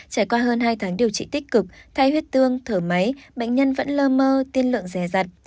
trải qua hơn hai tháng điều trị tích cực thay huyết tương thở máy bệnh nhân vẫn lơ mơ tiên lượng dè dặt